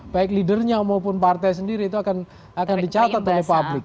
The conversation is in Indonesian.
baik leadernya maupun partai sendiri itu akan dicatat oleh publik